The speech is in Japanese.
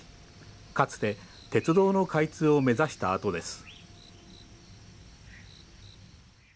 かつて鉄道の開通を目指した跡です。